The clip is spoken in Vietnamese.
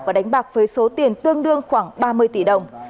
và đánh bạc với số tiền tương đương khoảng ba mươi tỷ đồng